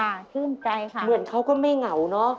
ค่ะชื่นใจค่ะค่ะเหมือนเขาก็ไม่เหงานะ